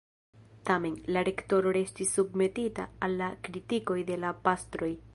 Tamen, la rektoro restis submetita al la kritikoj de la pastroj.